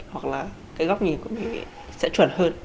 hoặc là cái góc nhìn của mình sẽ chuẩn hơn